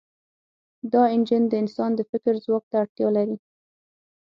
دا انجن د انسان د فکر ځواک ته اړتیا لري.